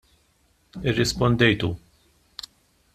Irrispondejtu.